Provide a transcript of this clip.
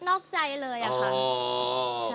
นอกใจเลยอะค่ะ